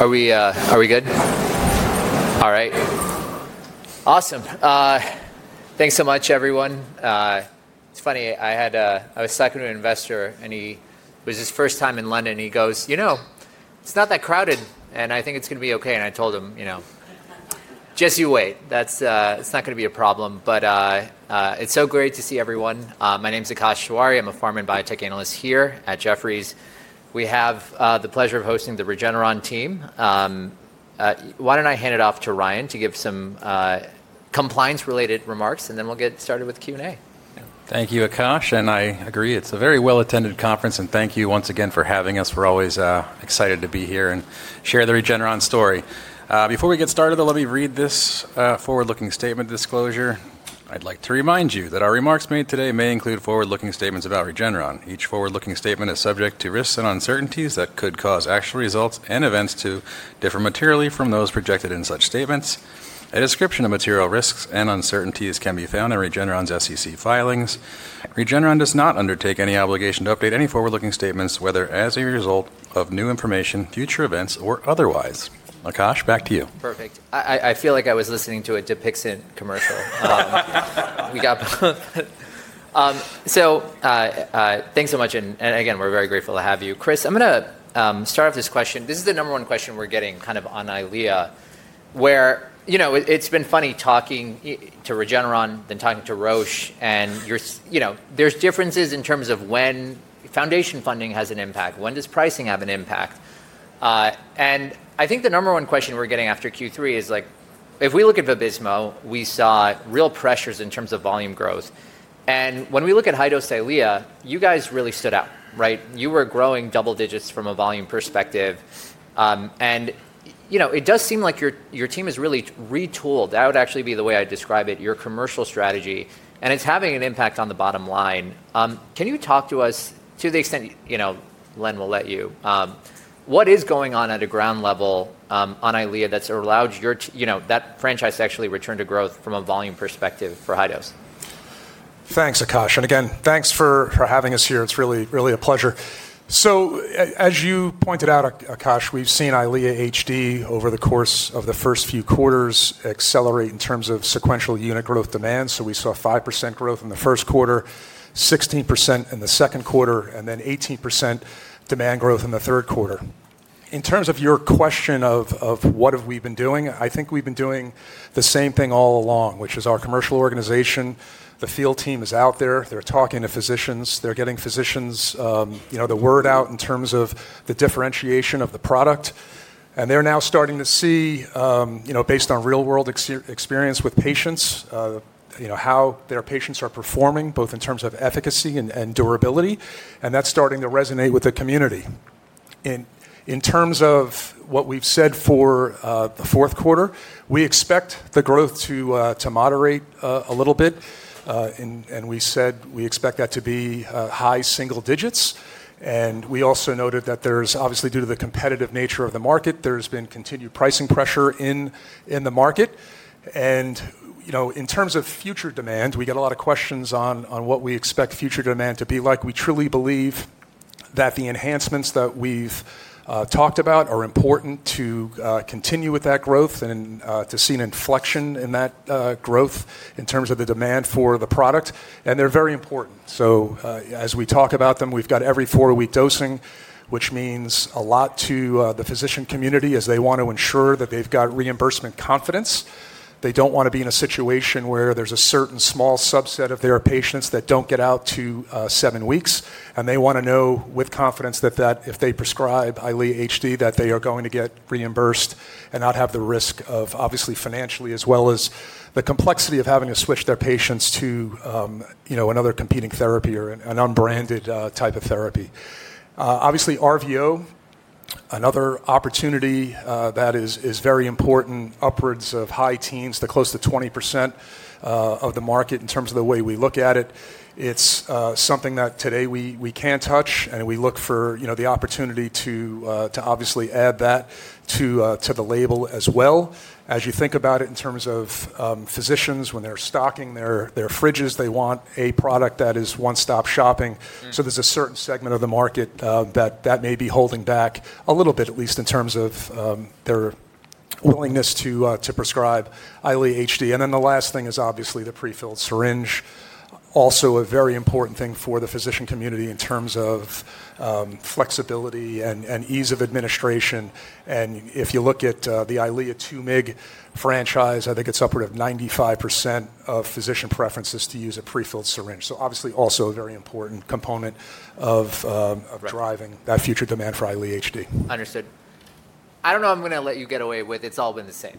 Are we good? All right. Awesome. Thanks so much, everyone. It's funny, I had a secondary investor, and it was his first time in London. He goes, "You know, it's not that crowded, and I think it's going to be OK." I told him, "You know, just you wait. That's not going to be a problem." It is so great to see everyone. My name's Akash Shah. I'm a pharma and biotech analyst here at Jefferies. We have the pleasure of hosting the Regeneron team. Why don't I hand it off to Ryan to give some compliance-related remarks, and then we'll get started with Q&A. Thank you, Akash. I agree, it's a very well-attended conference. Thank you once again for having us. We're always excited to be here and share the Regeneron story. Before we get started, let me read this forward-looking statement disclosure. "I'd like to remind you that our remarks made today may include forward-looking statements about Regeneron. Each forward-looking statement is subject to risks and uncertainties that could cause actual results and events to differ materially from those projected in such statements. A description of material risks and uncertainties can be found in Regeneron's SEC filings. Regeneron does not undertake any obligation to update any forward-looking statements, whether as a result of new information, future events, or otherwise." Akash, back to you. Perfect. I feel like I was listening to a Dixit commercial. We got both. Thanks so much. Again, we're very grateful to have you. Chris, I'm going to start off this question. This is the number one question we're getting kind of on Eylea, where it's been funny talking to Regeneron than talking to Roche. There are differences in terms of when foundation funding has an impact, when does pricing have an impact. I think the number one question we're getting after Q3 is, if we look at Vabysmo, we saw real pressures in terms of volume growth. When we look at high-dose Eylea, you guys really stood out. You were growing double digits from a volume perspective. It does seem like your team has really retooled. That would actually be the way I'd describe it, your commercial strategy. It is having an impact on the bottom line. Can you talk to us, to the extent Len will let you, what is going on at a ground level on Eylea that is allowed that franchise to actually return to growth from a volume perspective for high dose? Thanks, Akash. Again, thanks for having us here. It's really a pleasure. As you pointed out, Akash, we've seen Eylea HD over the course of the first few quarters accelerate in terms of sequential unit growth demand. We saw 5% growth in the first quarter, 16% in the second quarter, and then 18% demand growth in the third quarter. In terms of your question of what have we been doing, I think we've been doing the same thing all along, which is our commercial organization, the field team is out there. They're talking to physicians. They're getting physicians the word out in terms of the differentiation of the product. They're now starting to see, based on real-world experience with patients, how their patients are performing, both in terms of efficacy and durability. That's starting to resonate with the community. In terms of what we've said for the fourth quarter, we expect the growth to moderate a little bit. We said we expect that to be high single digits. We also noted that, obviously, due to the competitive nature of the market, there has been continued pricing pressure in the market. In terms of future demand, we get a lot of questions on what we expect future demand to be like. We truly believe that the enhancements that we've talked about are important to continue with that growth and to see an inflection in that growth in terms of the demand for the product. They are very important. As we talk about them, we've got every four-week dosing, which means a lot to the physician community, as they want to ensure that they've got reimbursement confidence. They don't want to be in a situation where there's a certain small subset of their patients that don't get out to seven weeks. They want to know with confidence that if they prescribe Eylea HD, they are going to get reimbursed and not have the risk of, obviously, financially, as well as the complexity of having to switch their patients to another competing therapy or an unbranded type of therapy. Obviously, RVO, another opportunity that is very important, upwards of high teens, close to 20% of the market in terms of the way we look at it. It's something that today we can't touch. We look for the opportunity to obviously add that to the label as well. As you think about it in terms of physicians, when they're stocking their fridges, they want a product that is one-stop shopping. There is a certain segment of the market that may be holding back a little bit, at least in terms of their willingness to prescribe Eylea HD. The last thing is, obviously, the prefilled syringe, also a very important thing for the physician community in terms of flexibility and ease of administration. If you look at the Eylea 2 mg franchise, I think it is upward of 95% of physician preferences to use a prefilled syringe. Obviously, also a very important component of driving that future demand for Eylea HD. Understood. I don't know if I'm going to let you get away with, "It's all been the same,"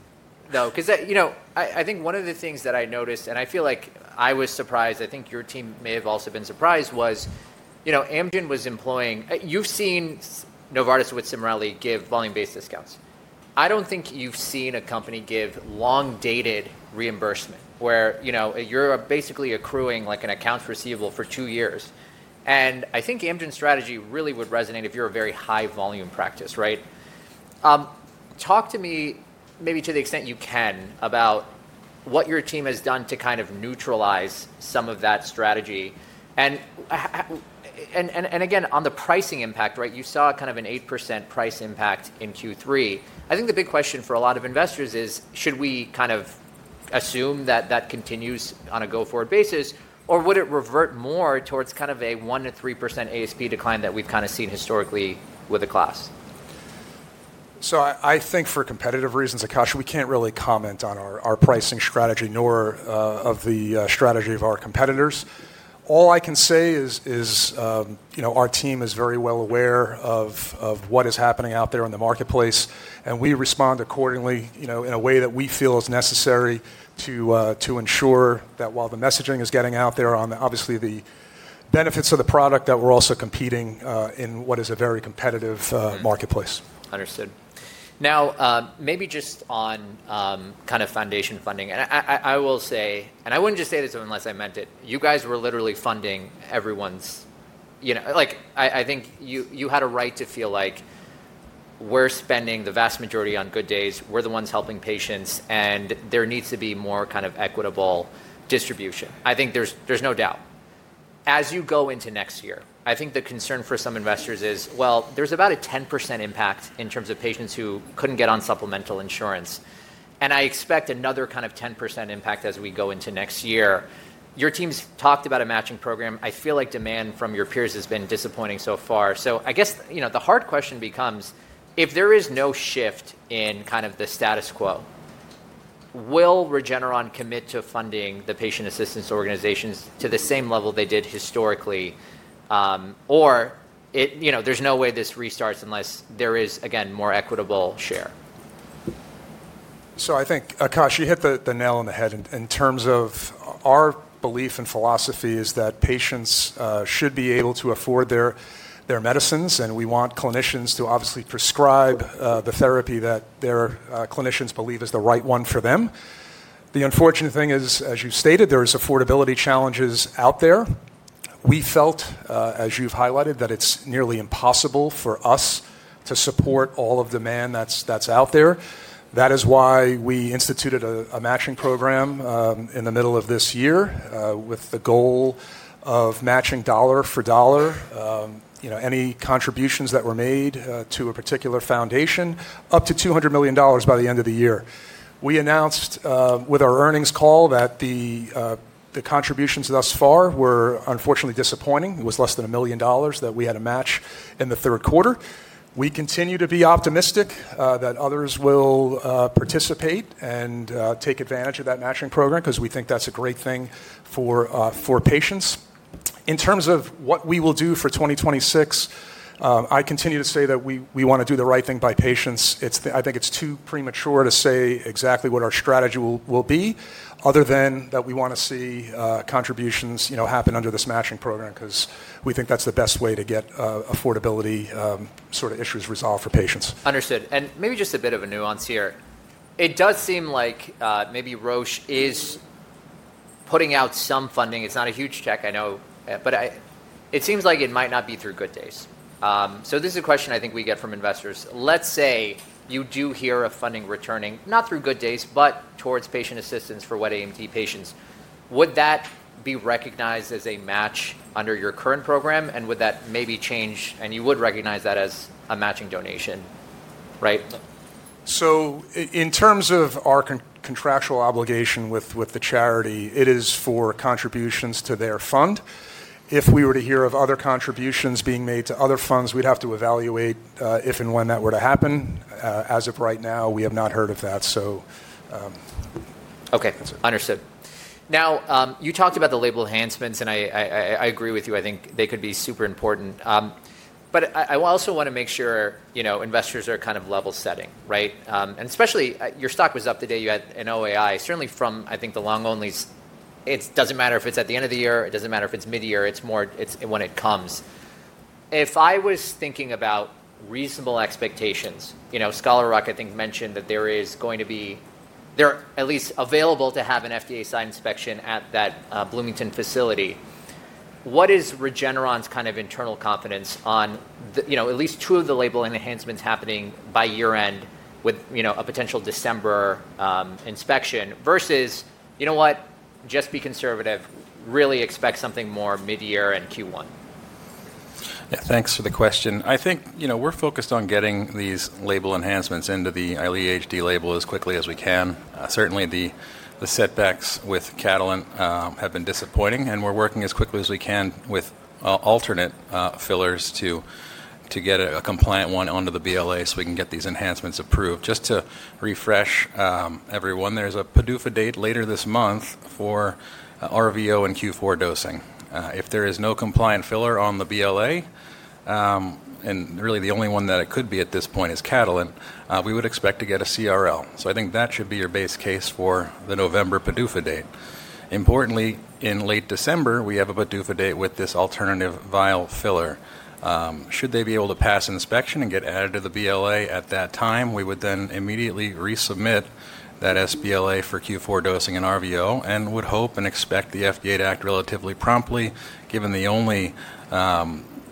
though. Because I think one of the things that I noticed, and I feel like I was surprised, I think your team may have also been surprised, was Amgen was employing, you've seen Novartis with Cimerli give volume-based discounts. I don't think you've seen a company give long-dated reimbursement, where you're basically accruing an accounts receivable for two years. I think Amgen's strategy really would resonate if you're a very high-volume practice. Talk to me, maybe to the extent you can, about what your team has done to kind of neutralize some of that strategy. Again, on the pricing impact, you saw kind of an 8% price impact in Q3. I think the big question for a lot of investors is, should we kind of assume that that continues on a go-forward basis, or would it revert more towards kind of a 1%-3% ASP decline that we've kind of seen historically with the class? I think for competitive reasons, Akash, we can't really comment on our pricing strategy, nor of the strategy of our competitors. All I can say is our team is very well aware of what is happening out there in the marketplace. We respond accordingly in a way that we feel is necessary to ensure that while the messaging is getting out there on, obviously, the benefits of the product, we're also competing in what is a very competitive marketplace. Understood. Now, maybe just on kind of foundation funding, I will say, and I would not just say this unless I meant it, you guys were literally funding everyone’s. I think you had a right to feel like we’re spending the vast majority on good days. We’re the ones helping patients. There needs to be more kind of equitable distribution. I think there’s no doubt. As you go into next year, I think the concern for some investors is, well, there’s about a 10% impact in terms of patients who could not get on supplemental insurance. I expect another kind of 10% impact as we go into next year. Your team’s talked about a matching program. I feel like demand from your peers has been disappointing so far. I guess the hard question becomes, if there is no shift in kind of the status quo, will Regeneron commit to funding the patient assistance organizations to the same level they did historically, or there's no way this restarts unless there is, again, more equitable share? I think, Akash, you hit the nail on the head. In terms of our belief and philosophy, is that patients should be able to afford their medicines. We want clinicians to obviously prescribe the therapy that their clinicians believe is the right one for them. The unfortunate thing is, as you stated, there are affordability challenges out there. We felt, as you've highlighted, that it's nearly impossible for us to support all of the demand that's out there. That is why we instituted a matching program in the middle of this year with the goal of matching dollar for dollar any contributions that were made to a particular foundation, up to $200 million by the end of the year. We announced with our earnings call that the contributions thus far were unfortunately disappointing. It was less than $1 million that we had a match in the third quarter. We continue to be optimistic that others will participate and take advantage of that matching program because we think that is a great thing for patients. In terms of what we will do for 2026, I continue to say that we want to do the right thing by patients. I think it is too premature to say exactly what our strategy will be, other than that we want to see contributions happen under this matching program because we think that is the best way to get affordability sort of issues resolved for patients. Understood. Maybe just a bit of a nuance here. It does seem like maybe Roche is putting out some funding. It's not a huge check, I know. It seems like it might not be through Good Days. This is a question I think we get from investors. Let's say you do hear of funding returning, not through Good Days, but towards patient assistance for wet AMD patients. Would that be recognized as a match under your current program? Would that maybe change, and you would recognize that as a matching donation? In terms of our contractual obligation with the charity, it is for contributions to their fund. If we were to hear of other contributions being made to other funds, we'd have to evaluate if and when that were to happen. As of right now, we have not heard of that. OK, understood. Now, you talked about the label enhancements. I agree with you. I think they could be super important. I also want to make sure investors are kind of level setting. Especially, your stock was up today. You had an OAI. Certainly, from, I think, the long-onlys, it does not matter if it is at the end of the year. It does not matter if it is mid-year. It is when it comes. If I was thinking about reasonable expectations, Scholar Rock, I think, mentioned that there is going to be at least available to have an FDA-side inspection at that Bloomington facility. What is Regeneron's kind of internal confidence on at least two of the label enhancements happening by year-end with a potential December inspection versus, you know what, just be conservative, really expect something more mid-year and Q1? Yeah, thanks for the question. I think we're focused on getting these label enhancements into the Eylea HD label as quickly as we can. Certainly, the setbacks with Catalent have been disappointing. We're working as quickly as we can with alternate fillers to get a compliant one onto the BLA so we can get these enhancements approved. Just to refresh everyone, there's a PDUFA date later this month for RVO and Q4 dosing. If there is no compliant filler on the BLA, and really the only one that it could be at this point is Catalent, we would expect to get a CRL. I think that should be your base case for the November PDUFA date. Importantly, in late December, we have a PDUFA date with this alternative vial filler. Should they be able to pass inspection and get added to the BLA at that time, we would then immediately resubmit that sBLA for Q4 dosing and RVO and would hope and expect the FDA to act relatively promptly, given the only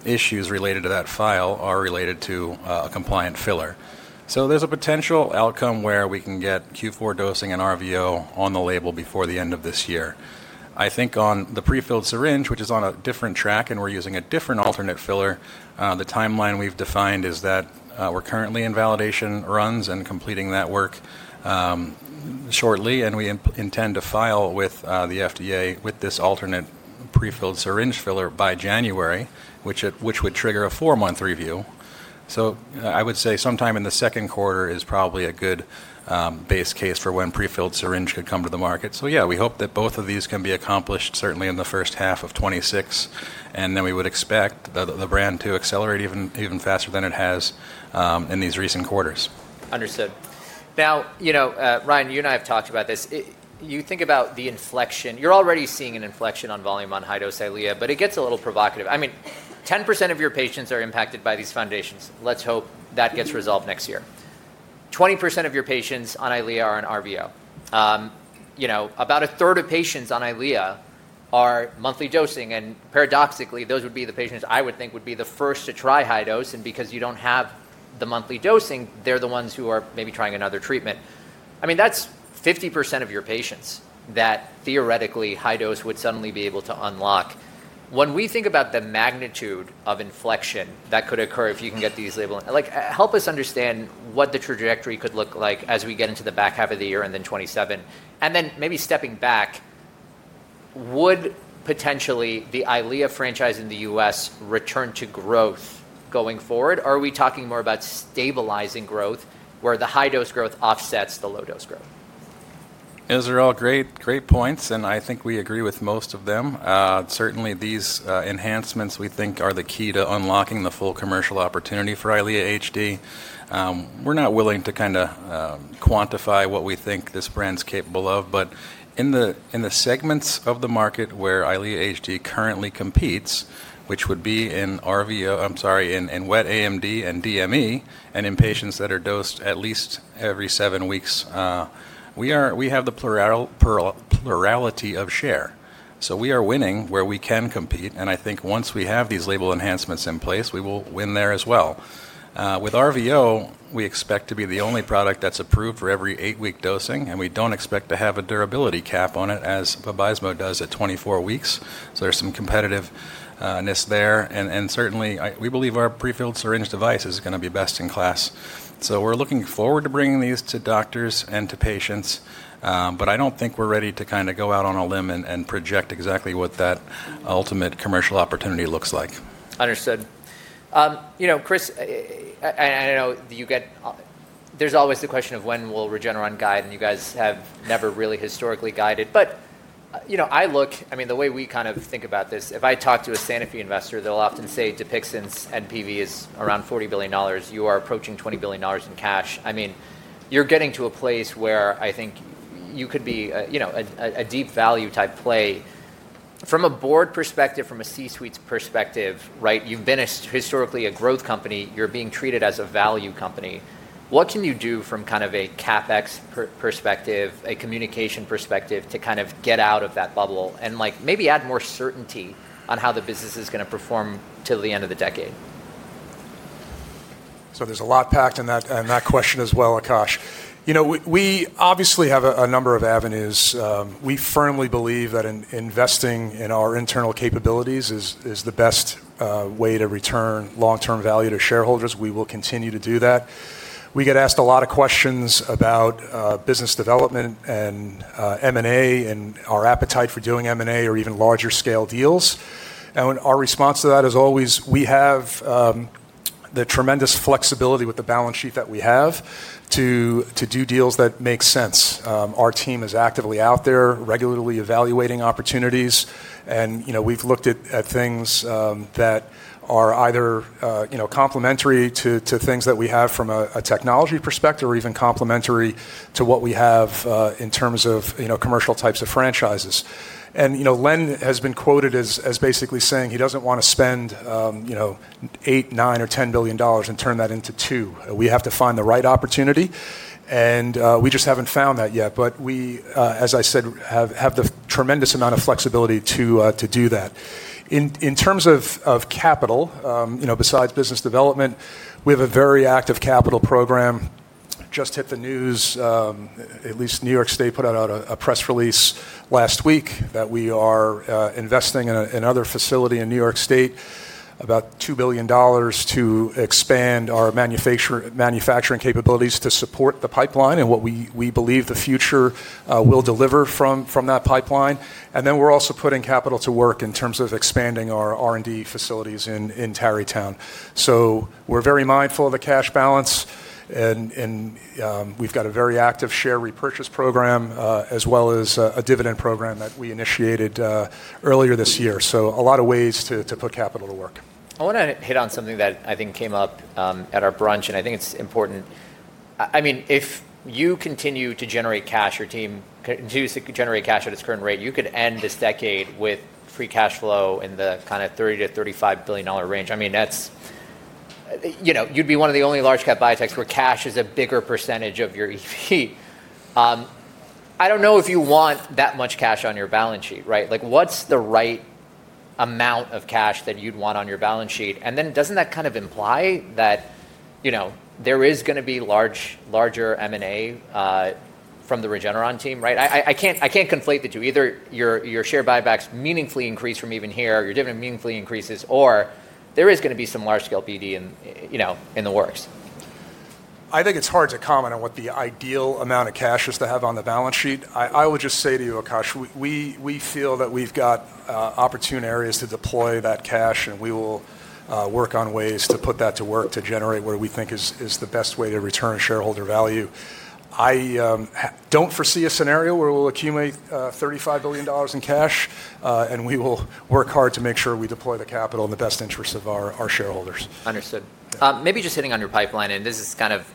issues related to that file are related to a compliant filler. There is a potential outcome where we can get Q4 dosing and RVO on the label before the end of this year. I think on the prefilled syringe, which is on a different track, and we're using a different alternate filler, the timeline we've defined is that we're currently in validation runs and completing that work shortly. We intend to file with the FDA with this alternate prefilled syringe filler by January, which would trigger a four-month review. I would say sometime in the second quarter is probably a good base case for when prefilled syringe could come to the market. Yeah, we hope that both of these can be accomplished certainly in the first half of 2026. We would expect the brand to accelerate even faster than it has in these recent quarters. Understood. Now, Ryan, you and I have talked about this. You think about the inflection. You're already seeing an inflection on volume on high-dose Eylea, but it gets a little provocative. I mean, 10% of your patients are impacted by these foundations. Let's hope that gets resolved next year. 20% of your patients on Eylea are on RVO. About a third of patients on Eylea are monthly dosing. Paradoxically, those would be the patients I would think would be the first to try high dose. Because you do not have the monthly dosing, they are the ones who are maybe trying another treatment. I mean, that's 50% of your patients that theoretically high dose would suddenly be able to unlock. When we think about the magnitude of inflection that could occur if you can get these labels, help us understand what the trajectory could look like as we get into the back half of the year and then 2027. Then maybe stepping back, would potentially the Eylea franchise in the U.S. return to growth going forward? Are we talking more about stabilizing growth, where the high-dose growth offsets the low-dose growth? Those are all great points. I think we agree with most of them. Certainly, these enhancements we think are the key to unlocking the full commercial opportunity for Eylea HD. We're not willing to kind of quantify what we think this brand's capable of. In the segments of the market where Eylea HD currently competes, which would be in RVO, I'm sorry, in wet AMD and DME, and in patients that are dosed at least every seven weeks, we have the plurality of share. We are winning where we can compete. I think once we have these label enhancements in place, we will win there as well. With RVO, we expect to be the only product that's approved for every eight-week dosing. We don't expect to have a durability cap on it, as Vabysmo does at 24 weeks. There's some competitiveness there. We believe our prefilled syringe device is going to be best in class. We are looking forward to bringing these to doctors and to patients. I do not think we are ready to kind of go out on a limb and project exactly what that ultimate commercial opportunity looks like. Understood. Chris, I know there's always the question of when will Regeneron guide. And you guys have never really historically guided. I mean, the way we kind of think about this, if I talk to a Sanofi investor, they'll often say, "Dupixent's NPV is around $40 billion. You are approaching $20 billion in cash." I mean, you're getting to a place where I think you could be a deep value type play. From a board perspective, from a C-suite perspective, you've been historically a growth company. You're being treated as a value company. What can you do from kind of a CapEx perspective, a communication perspective, to kind of get out of that bubble and maybe add more certainty on how the business is going to perform till the end of the decade? There is a lot packed in that question as well, Akash. We obviously have a number of avenues. We firmly believe that investing in our internal capabilities is the best way to return long-term value to shareholders. We will continue to do that. We get asked a lot of questions about business development and M&A and our appetite for doing M&A or even larger scale deals. Our response to that is always, we have the tremendous flexibility with the balance sheet that we have to do deals that make sense. Our team is actively out there regularly evaluating opportunities. We have looked at things that are either complementary to things that we have from a technology perspective or even complementary to what we have in terms of commercial types of franchises. Len has been quoted as basically saying he doesn't want to spend $8 billion, $9 billion, or $10 billion and turn that into two. We have to find the right opportunity. We just haven't found that yet. We, as I said, have the tremendous amount of flexibility to do that. In terms of capital, besides business development, we have a very active capital program. Just hit the news. At least New York State put out a press release last week that we are investing in another facility in New York State, about $2 billion to expand our manufacturing capabilities to support the pipeline and what we believe the future will deliver from that pipeline. We are also putting capital to work in terms of expanding our R&D facilities in Tarrytown. We are very mindful of the cash balance. We have a very active share repurchase program as well as a dividend program that we initiated earlier this year. There are a lot of ways to put capital to work. I want to hit on something that I think came up at our brunch. I think it's important. I mean, if you continue to generate cash, your team continues to generate cash at its current rate, you could end this decade with free cash flow in the kind of $30 billion-$35 billion range. I mean, you'd be one of the only large-cap biotechs where cash is a bigger percentage of your EP. I don't know if you want that much cash on your balance sheet. What's the right amount of cash that you'd want on your balance sheet? Doesn't that kind of imply that there is going to be larger M&A from the Regeneron team? I can't conflate the two. Either your share buybacks meaningfully increase from even here, your dividend meaningfully increases, or there is going to be some large-scale BD in the works. I think it's hard to comment on what the ideal amount of cash is to have on the balance sheet. I would just say to you, Akash, we feel that we've got opportune areas to deploy that cash. We will work on ways to put that to work to generate what we think is the best way to return shareholder value. I don't foresee a scenario where we'll accumulate $35 billion in cash. We will work hard to make sure we deploy the capital in the best interest of our shareholders. Understood. Maybe just hitting on your pipeline. This is kind of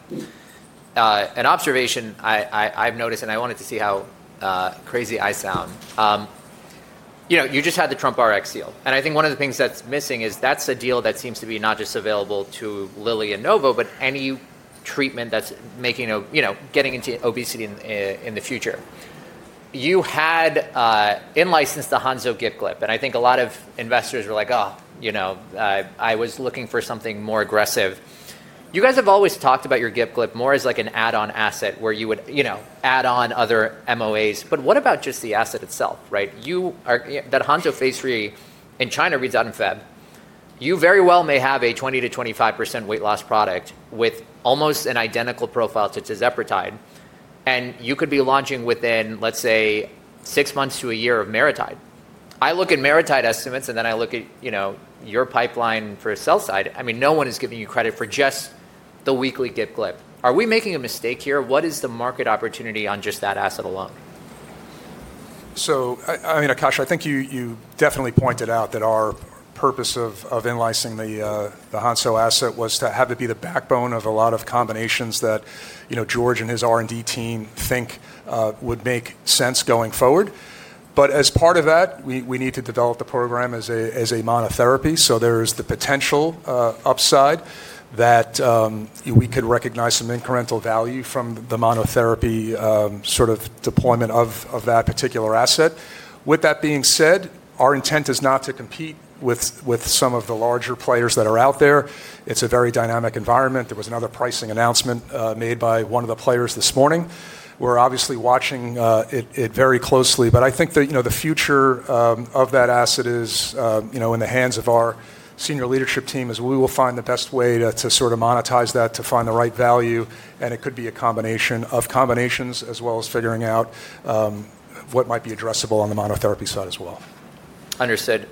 an observation I've noticed. I wanted to see how crazy I sound. You just had the Trump Rx deal. I think one of the things that's missing is that's a deal that seems to be not just available to Lilly and Novo, but any treatment that's getting into obesity in the future. You had in-licensed the Hanmi GLP-1. I think a lot of investors were like, oh, I was looking for something more aggressive. You guys have always talked about your GLP-1 more as like an add-on asset where you would add on other MOAs. What about just the asset itself? That Hanmi phase 3 in China reads out in February. You very well may have a 20%-25% weight loss product with almost an identical profile to Tirzepatide. You could be launching within, let's say, six months to a year of MariTide. I look at MariTide estimates. I look at your pipeline for sell side. I mean, no one is giving you credit for just the weekly HM15211. Are we making a mistake here? What is the market opportunity on just that asset alone? I mean, Akash, I think you definitely pointed out that our purpose of in-licensing the Hanmi asset was to have it be the backbone of a lot of combinations that George and his R&D team think would make sense going forward. As part of that, we need to develop the program as a monotherapy. There is the potential upside that we could recognize some incremental value from the monotherapy sort of deployment of that particular asset. With that being said, our intent is not to compete with some of the larger players that are out there. It's a very dynamic environment. There was another pricing announcement made by one of the players this morning. We're obviously watching it very closely. I think the future of that asset is in the hands of our senior leadership team as we will find the best way to sort of monetize that to find the right value. It could be a combination of combinations as well as figuring out what might be addressable on the monotherapy side as well. Understood.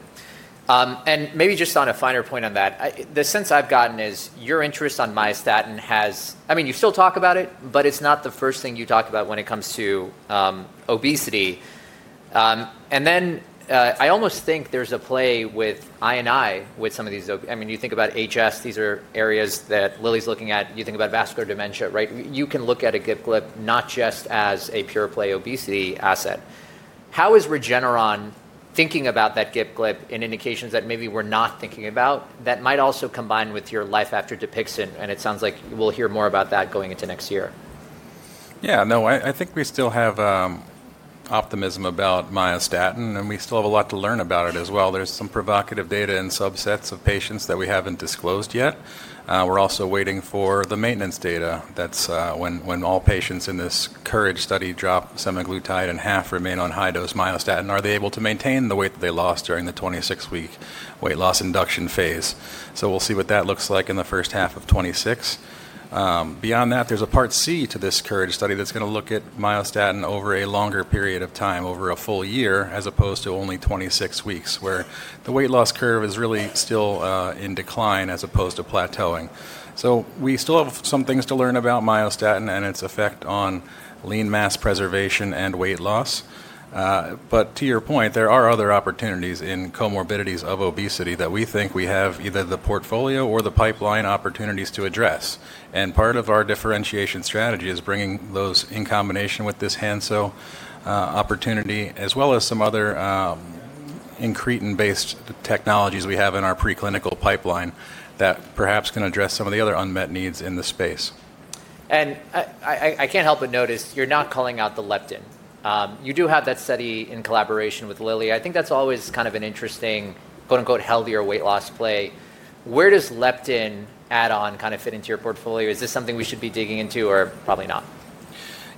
Maybe just on a finer point on that, the sense I've gotten is your interest on myostatin has, I mean, you still talk about it, but it's not the first thing you talk about when it comes to obesity. I almost think there's a play with I&I with some of these. I mean, you think about HS. These are areas that Lilly's looking at. You think about vascular dementia. You can look at a Gitglip not just as a pure play obesity asset. How is Regeneron thinking about that Gitglip in indications that maybe we're not thinking about that might also combine with your life after Dupixent? It sounds like we'll hear more about that going into next year. Yeah. No, I think we still have optimism about Myostatin. And we still have a lot to learn about it as well. There's some provocative data in subsets of patients that we haven't disclosed yet. We're also waiting for the maintenance data. That's when all patients in this COURAGE study drop semaglutide and half remain on high-dose Myostatin. Are they able to maintain the weight that they lost during the 26-week weight loss induction phase? We will see what that looks like in the first half of 2026. Beyond that, there's a part C to this COURAGE study that's going to look at Myostatin over a longer period of time, over a full year, as opposed to only 26 weeks, where the weight loss curve is really still in decline as opposed to plateauing. We still have some things to learn about Myostatin and its effect on lean mass preservation and weight loss. To your point, there are other opportunities in comorbidities of obesity that we think we have either the portfolio or the pipeline opportunities to address. Part of our differentiation strategy is bringing those in combination with this Hanmi opportunity, as well as some other incretin-based technologies we have in our preclinical pipeline that perhaps can address some of the other unmet needs in the space. I can't help but notice you're not calling out the Leptin. You do have that study in collaboration with Lilly. I think that's always kind of an interesting "healthier weight loss" play. Where does Leptin add-on kind of fit into your portfolio? Is this something we should be digging into or probably not?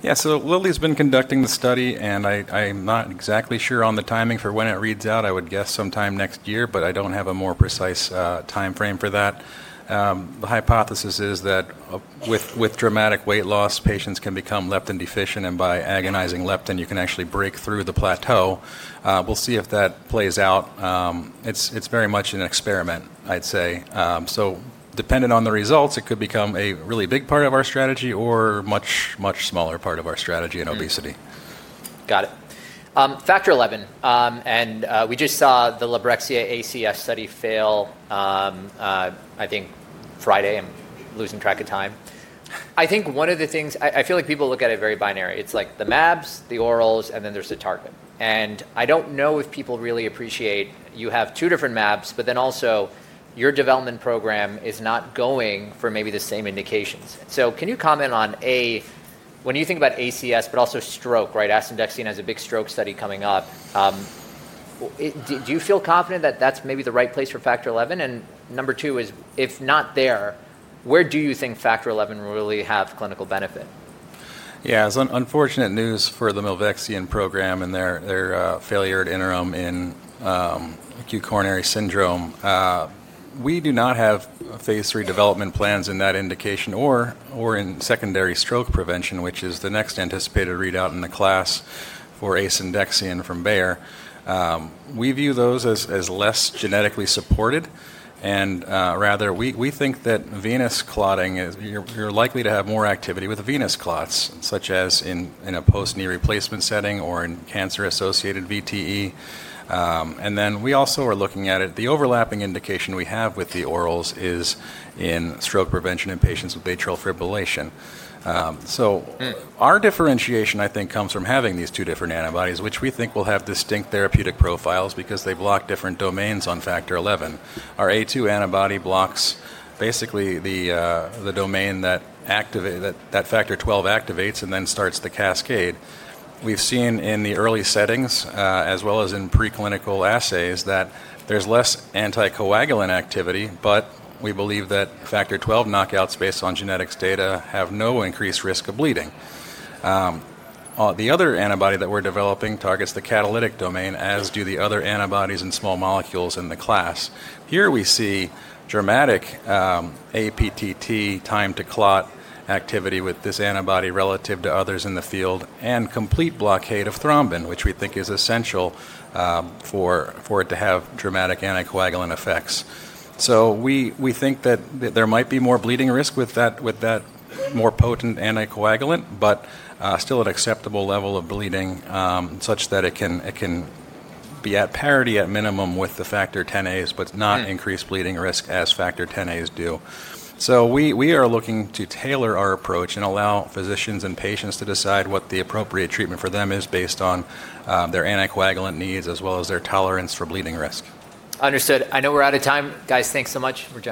Yeah. Lilly's been conducting the study. I'm not exactly sure on the timing for when it reads out. I would guess sometime next year. I don't have a more precise time frame for that. The hypothesis is that with dramatic weight loss, patients can become leptin deficient. By agonizing leptin, you can actually break through the plateau. We'll see if that plays out. It's very much an experiment, I'd say. Dependent on the results, it could become a really big part of our strategy or a much smaller part of our strategy in obesity. Got it. Factor XI. We just saw the Milvexian ACS study fail, I think, Friday. I'm losing track of time. I think one of the things I feel like people look at it very binary. It's like the MABs, the orals, and then there's the target. I don't know if people really appreciate you have two different MABs. But then also, your development program is not going for maybe the same indications. Can you comment on, A, when you think about ACS, but also stroke, Asundexian has a big stroke study coming up. Do you feel confident that that's maybe the right place for Factor XI? Number two is, if not there, where do you think Factor XI really has clinical benefit? Yeah. It's unfortunate news for the Milvexian program and their failure at interim in acute coronary syndrome. We do not have phase three development plans in that indication or in secondary stroke prevention, which is the next anticipated readout in the class for Asundexian from Bayer. We view those as less genetically supported. Rather, we think that venous clotting, you're likely to have more activity with venous clots, such as in a post-knee replacement setting or in cancer-associated VTE. We also are looking at it. The overlapping indication we have with the orals is in stroke prevention in patients with atrial fibrillation. Our differentiation, I think, comes from having these two different antibodies, which we think will have distinct therapeutic profiles because they block different domains on Factor XI. Our A2 antibody blocks basically the domain that Factor XII activates and then starts the cascade. We've seen in the early settings, as well as in preclinical assays, that there's less anticoagulant activity. We believe that Factor XII knockouts based on genetics data have no increased risk of bleeding. The other antibody that we're developing targets the catalytic domain, as do the other antibodies and small molecules in the class. Here we see dramatic APTT time to clot activity with this antibody relative to others in the field and complete blockade of thrombin, which we think is essential for it to have dramatic anticoagulant effects. We think that there might be more bleeding risk with that more potent anticoagulant, but still at acceptable level of bleeding such that it can be at parity, at minimum, with the Factor XAs, but not increase bleeding risk as Factor XAs do. We are looking to tailor our approach and allow physicians and patients to decide what the appropriate treatment for them is based on their anticoagulant needs as well as their tolerance for bleeding risk. Understood. I know we're out of time. Guys, thanks so much.